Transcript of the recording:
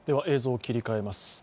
映像を切り替えます。